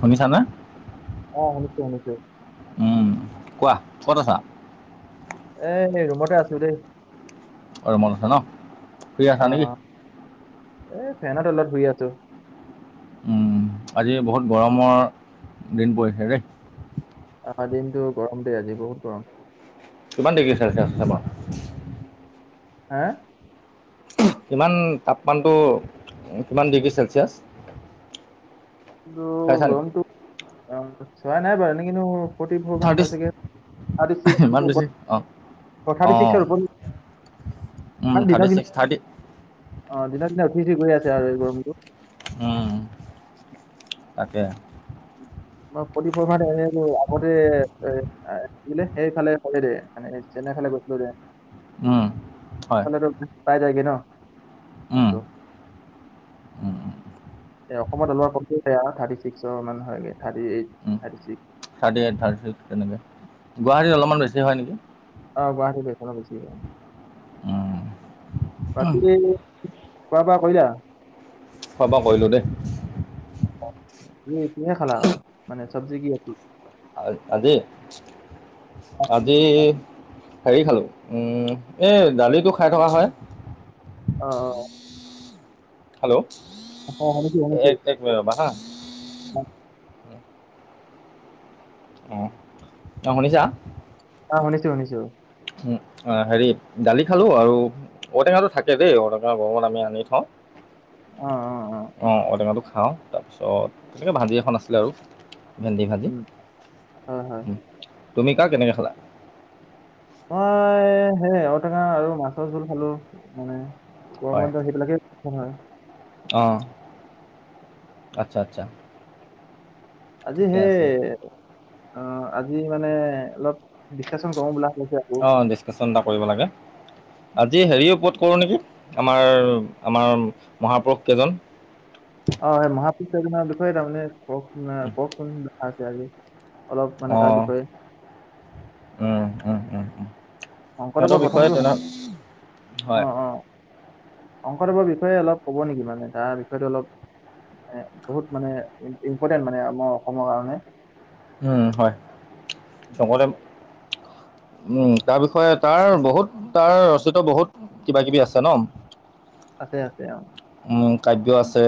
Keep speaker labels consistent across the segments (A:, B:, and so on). A: শুনিছানে?
B: অ' শুনিছোঁ শুনিছোঁ।
A: উম, কোৱা। ক'ত আছা?
B: এ, ৰুমতে আছোঁ দেই।
A: অ' ৰুমত আছা ন'। ফ্ৰী আছা নেকি?
B: আহ এই ফেনৰ তলত শুই আছোঁ।
A: উম, আজি বহুত গৰমৰ দিন পৰিছে দেই।
B: আজিৰ দিনটো গৰম দে আজি বহুত গৰম।
A: কিমান দেৰিকে চাইছ ফেনত
B: হে?
A: কিমান তাপমানটো কিমান ডিগ্ৰী চেলচিয়াছ?
B: বুলো
A: চাইছা নেকি
B: গৰমটো আ, চোৱা নাই বাৰু, এনে কিন্তু ফৰ্টি ফ'ৰ মান
A: থাৰ্টি
B: হৈ ছাগে। থাৰ্টি
A: ইমান
B: ছিক্স
A: বেছি অঁ
B: ওপ থাৰ্টি ছিক্সৰ ওপৰত
A: উম,
B: ইমান দিনৰ
A: থাৰ্টি
B: দিন
A: ছিক্স থাৰ্টি
B: অ' দিনক দিনা উঠি উঠি গৈ আছে আৰু এই গৰমটো।
A: উম, তাকে।
B: মই প্ৰতি প্ৰভাত আগতে এ বুলে সেইফালে হলিডে মানে যেনেহ'লে গৈছিলোঁ দে।
A: হয়
B: মানে তোৰ পাই যায়গে ন' নামটো। এ, অকমত ওলোৱা কমটো বেয়া, থাৰ্টি ছিক্সৰ মানে হয় thirty eight, thirty six.
A: Thirty eight, থাৰ্তিত তেনেকে। গুৱাহাটীত অলপমান বেছি হয় নেকি।
B: অ' গুৱাহাটী এইফালে বেছি হয়। বাকি খোৱা বোৱা কৰিলা?
A: খোৱা ৱোৱা কৰিলোঁ দেই।
B: এই কিহেৰে খালা অ' মানে চব্জি কিহেদি।
A: আ আজি, আজি হেৰি খালোঁ উম, এই দালিটো খাই থকা হয়।
B: অ', অ'।
A: হেল্ল',
B: অ শুনিছো শুনিছো
A: এক এক মিনিট ৰ'বা হা।
B: [unintelligible]
A: অ' শুনিছা।
B: শুনিছোঁ শুনিছোঁ।
A: উম, অ' হেৰি দালি খালোঁ আৰু ঔটেঙাটো থাকে দেই ঔটেঙা গৰমত আমি আনি থওঁ।
B: অ অ
A: অ' ঔটেঙাটো খাওঁ। তাৰপিছত তেনেকৈ ভাজি এখন আছিলে আৰু ভেন্দি ভাজি,
B: উম হয় হয়
A: উম। তুমি কাক কেনেকৈ খালা।
B: মই সেই ঔটেঙা আৰু মাছ মাছৰ জোল খালোঁ মানে মই, গৰমৰ দিনত সেইবিলাকে [unintelligible]
A: অ' আচ্ছা আচ্ছা।
B: আজি
A: ঠিকে
B: সেই
A: আছে
B: অ' আজি মানে অলপ ডিচকাশ্যচন কৰোঁ বোলা। হৈছে আকৌ
A: অ' ডিচকাশ্যচন এটা কৰিব লাগে,
B: উম।
A: আজি হেৰিৰ ওপৰত কৰোঁ নেকি। আমাৰ আমাৰ মহাপুৰুষকেইজন।
B: অ' এই মহাপুৰুষকেইজনৰ বিষয়ে তাৰমানে [unintelligible] দেখাই আছে আজি। অলপ মানে তাৰ
A: অঁ
B: বিষয়ে।
A: উম, উম, উম। উম। সিহঁতৰ
B: শংকৰদেৱৰ
A: বিষয়ে
B: প্ৰথমটো
A: তেনে হয়
B: অ', অ'। শংকৰদেৱৰ বিষয়ে অলপ ক'ব নেকি মানে তাৰ বিষয়টো অলপ। এ, বহুত মানে ইম্পৰ্টেণ্ট মানে আমাৰ অসমৰ কাৰণে।
A: উম, হয়। চকলে
B: [inaudible]
A: উম, তাৰ বিষয়ে তাৰ বহুত তাৰ ৰচিত বহুত কিবা কিবি আছে ন'।
B: আছে আছে অ'।
A: উম, কাব্য আছে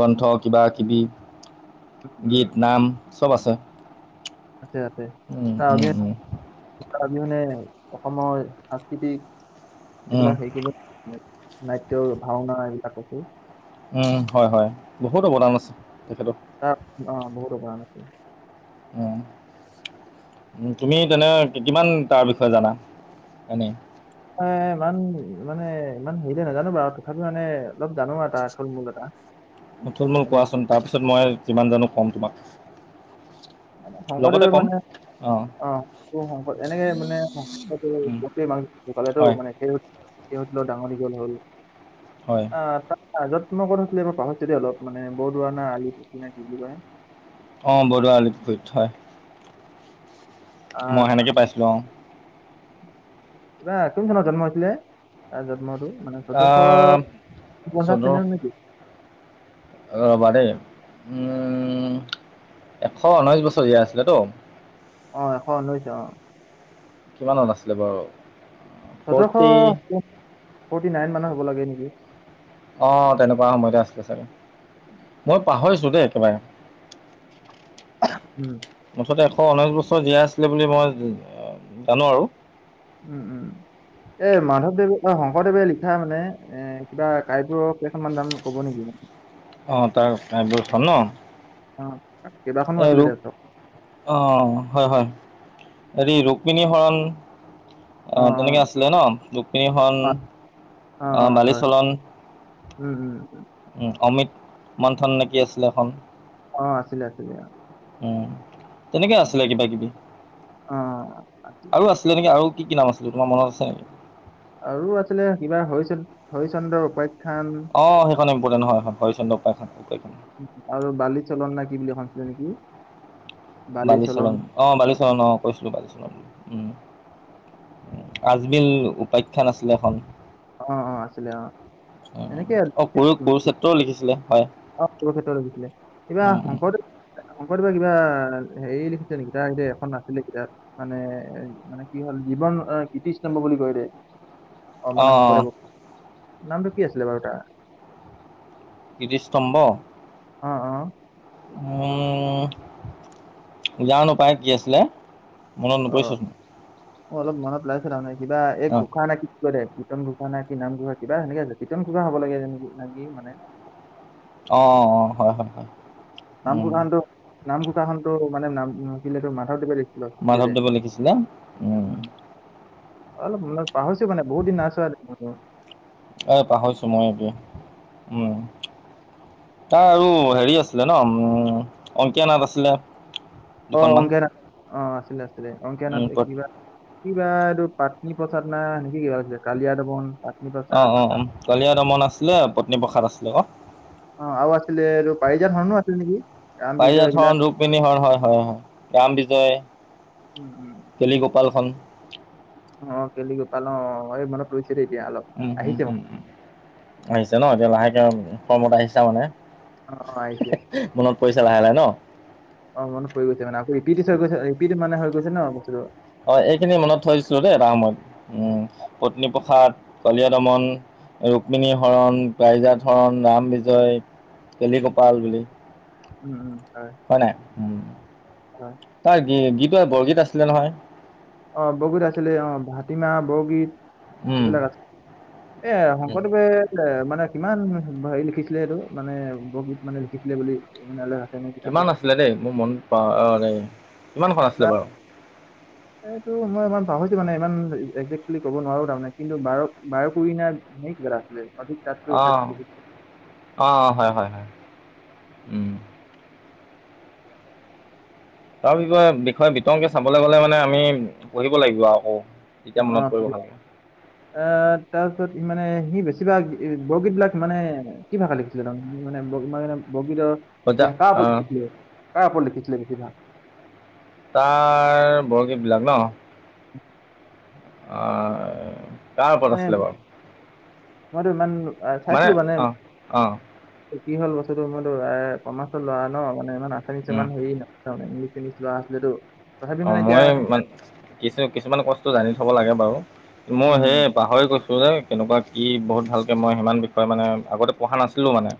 A: গ্ৰন্থ কিবা কিবি। গীত
B: উম
A: নাম চব আছে।
B: [unintelligible]
A: উম,
B: তাৰ
A: উম, উম,
B: অবিহনে অসমৰ সাংস্কৃতিক
A: উম,
B: এইবিলাক হেৰি কৰিব [inaudible] নাট্য ভাওনা এইবিলাককো।
A: উম, হয় হয় বহুত অৱদান আছে। তেখেতৰ
B: [unintelligible] বহুত অ' [unintelligible]
A: উম। উম, তুমি তেনে কিমান তাৰ বিষয়ে জানা, এনে।
B: মই ইমান মানে ইমান হেৰিকে নাজানো বাৰু তথাপি মানে অলপ জানো আৰু তাৰ থূল মূল এটা।
A: থূল মূল
B: মানে
A: কোৱাচোন তাৰপিছত মই কিমান জানো কম তোমাক।
B: মানে
A: লগতে
B: শংকৰদেৱে
A: ক'ম
B: মানে।
A: অঁ
B: অ' শংকৰ এনেকে মানে
A: উম,
B: [unintelligible] ঢুকালেতো।
A: হয়
B: সিহঁতৰ লগত ডাঙৰ দীঘল হ'ল।
A: হয়
B: অ' [unintelligible] অ' য'ত তোমাৰ ক'ত আছিলে এইবোৰ পাহৰিছোঁ দে অলপ মানে বৰদোৱা নে আলি পুখুৰী নাই কি বুলি কয়।
A: অ' বৰদোৱা আলি পুখুৰীত হয়।
B: আহ
A: মই সেনেকে পাইছিলোঁ আৰু।
B: কিবা কোন চনত জন্ম হৈছিলে, জন্মটো। মানে চৈধ্যশ
A: আহ,
B: পঞ্চাশ [unintelligible] নেকি।
A: অ' বাৰে উম। এশ ঊনৈশ বছৰ জীয়াই আছিলেতো।
B: অ' এশ ঊনৈশ অ'।
A: কিমান ত আছিলে বাৰু।
B: [unintelligible] মানত হ'ব লাগে নেকি?
A: অ, তেনেকুৱা সময়তে আছিলছিলে চাগে, মই পাহৰিছো। তে একেবাৰে,
B: উম,
A: মুঠতে এ শ ঊনৈছ বছৰ জীয়াা আছিলে বুলি ম, জানো আৰু।
B: উম, উম, এ, মাধৱদেৱে, শংকৰদেৱে লিখা মানে এ কিবা কাইব কেইখনমান নাম কব নেকি।
A: [unintelligible]
B: অ, কেইবাখনো
A: এ
B: আছিলে
A: ৰোগ
B: দে চব।
A: অ, হয় হয়। হেৰি ৰুক্মণী হৰণ। অ, তেনেকে আছিলে ন ৰুক্মণী হৰণ।
B: অ, অ,
A: আহ, বালি
B: হয় উম, উম,
A: উ, অমিত মন্থন নেকি আছিলে এখন।
B: অ, আছিলে আছিলে অ,
A: উম, তেনেকে আছিলে কিবা কিবি আৰু আছিলে নেকি, আৰু কি কি নাম আছিল? য তোমাৰ মনত আছে।
B: আৰু আছিলে কিবা হৰি হৰিচন্দ্ৰ উপ
A: অ, সেইখন ইম্পৰ্টেণ্ট হয় হৰিশ্চন্দ্ৰ উপ
B: আৰু বালি চলন ন কি বুলি ভনছিলে নেকি। বালি চলন
A: বালিচৰণ অ, বালিচৰণ অ কৈছিলো বালিচন। আজমিল উপাখ্যা ন আছিলে এখন।
B: অ, অ, আছিলে অ, এনেকে।
A: অ কৰু কুৰুক্ষেত্ৰও লিখিছিলে হয়
B: অ, কেত্ৰ লাগিছিলে কিবা
A: উম উম
B: শংকৰদেৱ শংকৰদেৱা কিবা হেৰি লিখিছে নেকি, ত স এখন নাছিলে কিতাপ মানে মানে কি হ'ল জীৱন কীৰ্তিস্তম্ভ বুলি কয়, অ, মানে।
A: অ,
B: শংকৰদেৱক নামটো কি আছিলে বাৰু তাৰ।
A: কীৰ্তিস্তম্ভ।
B: অ, অ,
A: উম, যানো পায় কি আছিলে। মনত নপৰিছ চোন।
B: অ, অলপ মনত ললাইছে তাৰমানে কিবা এই ঘোষা নেকি। কীৰ্তন ঘোষা ন কি নাম ঘোষা কিবা সেনেকে আছে কীৰ্তন ঘোষা হব লাগে যে নেক মানে।
A: অ, অ, হয়, হয়, হয়। উম
B: নাম ঘোষা খন টো মানে নাম ঘোষা খন টো মাধৱদেৱে লিখিছিলে। লিখিছিলে দে
A: মাধৱদেৱ লিখিছিলা।
B: অলপ মান পাহৰিছো মানে বহুত দিন নাচোৱা।
A: এ, পাহৰিছো মই এতিয়া উম, তাৰ আৰু হেৰি আছে। আছিলে ন উম, অংকীয়া নাট আছিলে।
B: অ,
A: দুখনমান
B: অংকীয়া নাথ অ, আছিলে আছিলে অংকীয়া নাথ
A: উম
B: কিবা কিবা এইটো প প্ৰসাদ না নেক কি কালিয়া দৱন।
A: অ, অ, অ, কলিয়া দমন আছিলে পত্নীপ্ৰসাদ আছিলে অ,
B: অ, আৰু আছিলে এই পাৰিজা ধৰনো আছিল নেকি আম বিজ
A: পাৰিজাত হৰণ
B: এইবিলাক।
A: ৰুক্মিণী হৰণ হয় হয় হয় ৰাম বিজয়,
B: উম, উম।
A: কেলিগোপালখন।
B: অ, কেেলিগোপাল অ, মনত পৰিছে। দেই এতিয়া অলপ
A: উম, উম,
B: আহিছে মনত
A: উম, উম, আহিছে ন এতিয়া লাহেকে কৰ্মত আহিছা মানে।
B: অ, আহিছে।
A: কৰিছা লাহে, লাহে, ন।
B: অ, মনত পৰিৰি গৈছে মানে আ ৰিপিট হৈ গৈছে ৰিপিট মানে গৈছে ন বস্তটো।
A: অ, এইখিনি মনত থৈছিলো, দেই এটা সময়ত উ, পত্নীপ্ৰসাদ কলিয়া দমন ৰুক্মণী হৰণ প্ৰাইজাত হৰণ ৰাম বিজয় কেলিগোপাল বুলি
B: উম
A: হয় নাই।
B: উ।
A: তাৰ গীত বৰগীত আছিলে নহয়।
B: অ, বৰগীত আছিলে অ, ভাটিমাহ বৰগীত।
A: উম
B: এইবিলাক আছে এ,
A: উম
B: শংকৰদেৱে মানে কিমান হেৰি লিখিছিলে সেইটো মানে বৰগীত মানে লিখিছিলে বুলি মানলে।
A: কিমান আছিলে দেই মোৰ মনত পা দেই কিমানখন
B: কিবা
A: আছিলে বাৰু।
B: [inaudible] এইটো মই ইমান পাহৰিছো মানে ইমান একজেক্টলি ক'ব নোৱাৰো তাৰমানে কিন্তু বাৰ, বাৰ কৰি নাই। ৰাখছিলে।
A: অ', অ', হয়, হয়। তাৰ বিষয়ে, বিষয়ে বিতংকে চাবলৈ গলে মানে আমি পঢ়িব লাগিব আকৌ। তেতিয়া
B: অ,
A: মনত পৰিব ভালকৈ
B: আহ, তাৰপিছত ইমানে সি বেছি কিবা বৰগীত বিলাক মানে কি ভাষা লিখিছে তাৰমানে মানে মে বগীত কাৰ ওপৰত লিখিছিলে, কাৰ ওপৰত লিখিছিলে বেছিভাগ।
A: তাৰ বৰগীত বিলাক ন। আহ। কাৰ ওপৰত
B: মানে
A: আছিলে বাৰু
B: মইতো ইমান আহ,
A: মানে
B: চাইছিলো
A: আহ, আহ।
B: কি হ'ল বস্তুটো মোৰো এ, কমাৰ্চত ল'ৰা ন মানে ইমান আছামিছৰান হেৰি ন ইংল, ইংলিছ লোৱা আছিলেতো। তথাপি
A: অ,
B: মানে এতিয়া
A: মই মান কিছু, কিছুমান কষ্টু জানি থব লাগে বাৰু। মই
B: উম উম
A: হেই পাহৰি গৈছো যে তেনেকুৱা কি বহুত ভালকৈ মই সিমান বিষয়ে মানে আগতে পঢ়া নাছিলোঁ মানে।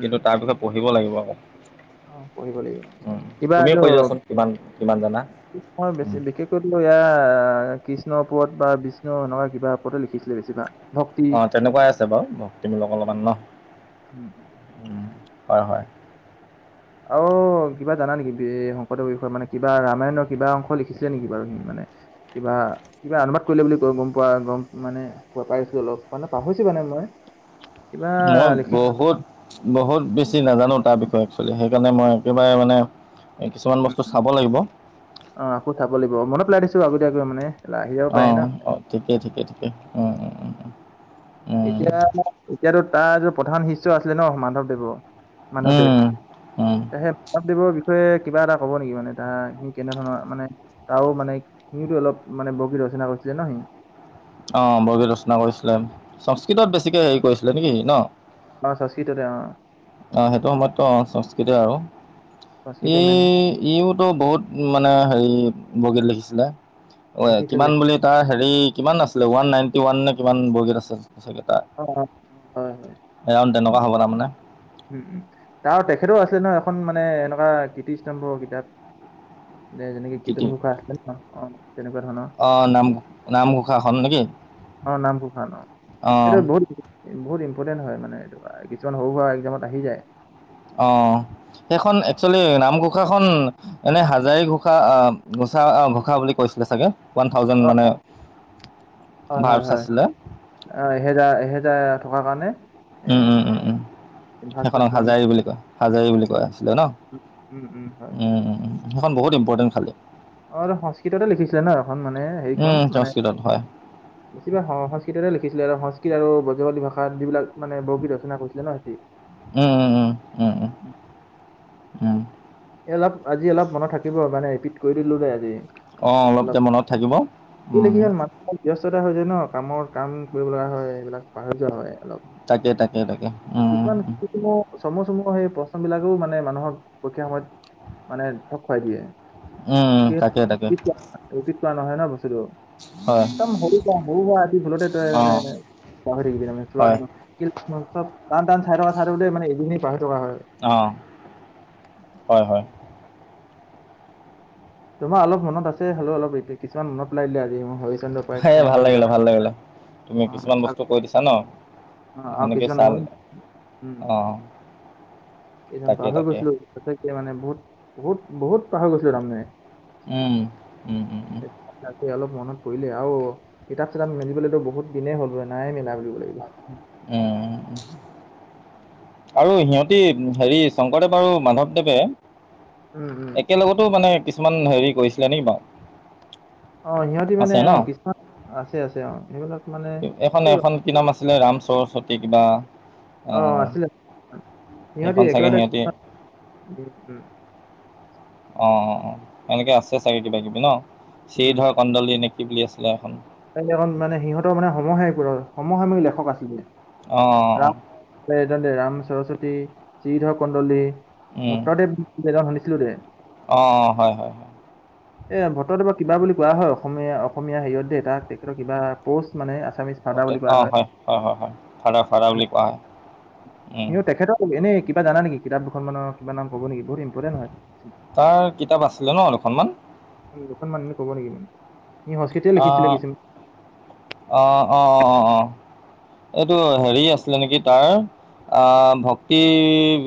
A: কিন্তু তাৰপিছত পঢ়িব লাগিব আকৌ।
B: অ, পঢ়িব লাগিব
A: উম,
B: কিবা
A: তুমিয়ে
B: এইটো।
A: কৈ যোৱাচোন কিমান কিমান জানা
B: মই
A: উম।
B: বেছি বিশেষকৈো এয়া কি কৃষ্ণৰ পদ বা বিষ্ণুৰ এনেকা কিবা পথে লিখিছিলে বেছিভাগ। ভক্তি
A: অ, তেনেকুৱাই আছে বাৰু তুমিলোক অলপমান ন,
B: উম, উম।
A: উ। হয়, হয়।
B: অ, কিবা জানা নেকি শংকৰদেৰ বিষয়ে মানে কিবা ৰামায়ণৰ কিবা অংশ লিখিছিলে নেকি বাৰু সি মানে কিবা, কিবা অনুবাদ কৰিলে বুলি গম পোৱা গ মানে পাইছিলো অলপ মানে পাহৰিছো মানে। মই কিবা
A: মই
B: লিখি
A: বহুত, বহুত। বেছি নাজানো তাৰ বিষয়ে একোৱেল সেইকাৰণে মই একেবাৰে মানে এই কিছুমান
B: উ,
A: বস্তু চাব লাগিব
B: অ, আকৌ চাব লাগিব মনত পেলাই দিছো আগতীয়াকৈ মানে। আহি যাব পাৰে ন।
A: অ', অ', ঠিকেই, ঠিকেই, ঠিকে উ, উ, উ।
B: এতিয়া এতিয়াতো তাৰ তো প্ৰধান শিষ্য আছিলে ন মাধৱদেৱৰ মাধৱদেৱ
A: উম, উম, উম।
B: তে সেই মাধৱদেৱৰ বিষয়ে কিবা এটা ক'ব নেকি মানে তাৰ সি কেনে ধৰণৰ মানে তাৰও মানে সিহতো অলপ মানে বগী ৰচনা কৰিছিল। কেইটা হ'ল?
A: অ, বৰগী ৰচনা কৰিছিলে সংস্কৃতত বেছিকে হেৰি কৰিছিলে নেকি ন।
B: অ, সটাল।
A: অ, সেইটো সময়ততো সংস্কৃতি আৰু ই,
B: সংস্কৃতে মেইন
A: ইওতো বহুত মানে হেৰি বগীত লিখিছিলে। অ, কিমান
B: লিখিছিলে
A: বুলি তাৰ হেৰি কিমান আছিলে ওৱান নাইনটি ওৱান নে কিমান বৰগীত আছে। কেইটা
B: অ অ
A: এৰান তেনেকুৱা হ'ব তাৰমানে
B: উ, উম, তাৰ তেখেতৰ আছিলে নহয় এখন মানে এনেকুৱা কীৰ্তিস্তম্ভ কিতাপ। উ দে যেনেকে
A: কিটি
B: কীৰ্তন ঘোষা আছিলে ন অ তেনেকুৱা ধৰণৰ
A: অঁ নাম নামঘোষাখন নেকি
B: অ নাম ঘোষা ন অ
A: অঁ
B: এটো বহুত বহুত ইম্পৰ্টেণ্ট হয় মানে এই কিছুমান সৰু সুৰা একজামত আহি যায়
A: অ সেইখন একচুৱেলি নাম ঘোষা ঘোষা খন এনে হাজাৰী ঘোষা আহ ঘোষা ঘোষা বুলি কৈছিলে চাগে ওৱান থাউজেণ্ড
B: অ
A: মানে
B: হয় হয়
A: ভাৰ্বছ
B: হয়
A: আছিলে
B: এহেজাৰ এহেজাৰ থকাৰ কাৰণে এ
A: উম উম উম উম
B: ভাগ চিচ
A: সেইখনক হাজাৰী
B: মানে
A: বুলি কয় হাজাৰী বুলি কোৱা আছিলে ন
B: উম উম হয়
A: উম উম। সেইখন ইম্পৰ্টেন খালী
B: অ সংস্কৃততে লিখিছিলে ন এখন মানে হেৰিখন
A: উম
B: মানে
A: সংস্কৃতত হয়
B: বেছি হ সংস্কৃততে লিখিছিলে আৰু সংস্কি আৰু্ বজাৱলী ভাষা যিবিলাক মানে বৰগীত ৰচনা কৰিছিল ন সিহতে
A: উম উম উম উম উম উম
B: এই অলপ আজি অলপ মনত থাকিব মানে ৰিপিট কৰি দিলোঁ দ যে আজি
A: অ অলপ কে মনত থাকিব
B: কি
A: উম
B: হল মানুহ ব্যস্ততা হৈ যায় ন কামৰ কাম কৰিব লগা হয় এইবিলাক পাহৰি যোৱা হয় অলপ মানে
A: তাকে তাকে তাকে উম
B: কিছুমান চ চমু চমু সেই প্ৰশ্নবিলাকো মানে মানুহক প্ৰকীয়া সময়ত মানে থুপ খুৱাই দিয়ে
A: উম তাকে তাকে
B: পিত কৰা নহয় ন বস্তু
A: হয়
B: একদম হ ক হ হয় আজি ভুলতে ত
A: অ
B: মানে পাহৰিবি
A: হয়
B: চ চব টান টান চাই থা চাই থাকোতে মানে এদিননে পাহৰি থকা হয়।
A: অ হয় হয়
B: তোমাৰ অলপ মনত আছে হলে অলপ কিছুমান মনত পেলাই দিলে আজি মই
A: হ ভাল লাগিলে ভাল লাগিলে তুমি
B: অ',
A: কিছুমান
B: আগ-
A: বস্তু কৈ দিছা ন
B: অ', আৰু
A: সেনেকে
B: কিছুমান
A: ছাল
B: মই
A: অ
B: কেইজন
A: তাকে
B: পাহৰি
A: তাকে
B: গৈছিলো সচাকে মানে বহুত বহুত বহুত পাহৰি গৈছিলো তাৰমানে
A: উম উম উম উম
B: আজি অলপ মনত পৰিলে আৰু কিতাপ চিতাপ মেলিবলৈতো বহুত দিনেই হ'ল নাই মেলা বুলিব লাগিব
A: উম আৰু সিহঁতি হেৰি শংকৰদেৱ আৰু মাধৱদেৱে
B: উম, উম,
A: একেলগতো মানে কিছুমান হেৰি কৰিছিলে নেকি বাৰু
B: অ সিহঁতি মানে
A: আছে ন
B: অ কিছুমান আছে আছে অ সেইবিলাক মানে
A: এইখন
B: এই
A: এখন কি নাম আছিলে ৰাম সৰস্বতী কিবা
B: অ আছিলে সিহঁতি
A: সেইখন চাগে
B: একেলগতে
A: সিহঁতি
B: উম উম
A: অ অ অ এনেকে আছে চাগে কিবা কিবি ন
B: উম।
A: চ্ৰীধৰ কন্দলি নেকি বুলি আছিলে এখন
B: [unintelligible] সিহঁতৰ মানে [unintelligible] সমসাময়ী লেখক আছিলে।
A: অঁ অঁ অঁ
B: ৰাম এইজনযে ৰাম সৰস্বতী শ্ৰীধৰ কন্দলী ভট্টদেৱ এজন শুনিছিলো দে
A: অ অ হয় হয় হয়
B: এ ভট্টদেৱক কিবা বুলি কোৱা হয় অসমীয়া অসমীয়া হেৰিয়ত দে তাক তেখেতৰ কিবা পষ্ট মানে আছে
A: অ হয় হয় হয় হয় ভাড়া ভাড়া বুলি কোৱা হয় উম
B: সি তেখেতৰ এনেই কিবা জানা নেকি কিতাপ দুখন মানৰ কিবা নাম ক'ব নেকি বহুত ইম্পৰ্টেণ্ট হয়
A: তাৰ কিতাপ আছিলে ন দুখনমান
B: দুখনমান এনে ক'ব নেকি সি সংষ্কিতে লিখিছিলে কিছু
A: অ অ অ অ অ এইটো হেৰি আছিলে নেকি তাৰ অ ভক্তি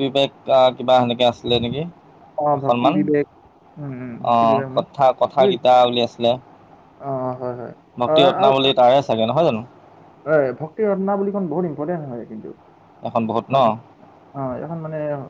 A: বিবেক কিবা সেনেকে আছিলে নেকি
B: অ ভক্তি
A: এখনমান
B: বিবেক উম উম
A: অ
B: ভক্তি বিবেক মই
A: কথা কথ
B: মই-
A: গীতা উলিয়াইছে।
B: অ হয় হয়
A: ভক্তি ৰত্নাৱলীত [unintelligible] নহয় জানো?
B: হয়। ভক্তি ৰত্নাৱলী খন বহুত ইম্পৰ্টেণ্ট হয় কিন্তু
A: এখন বহুত ন
B: [unintelligible] অ' এখন মানে অ'